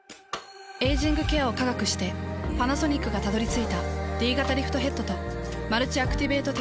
エイジングケアを科学してパナソニックがたどり着いたＤ型リフトヘッドとマルチアクティベートテクノロジー。